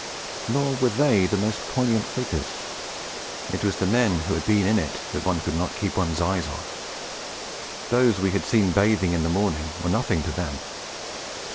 Nor were they the most poignant figures; it was the men who had been in it that one could not keep one's eyes off. Those we had seen bathing in the morning were nothing to them.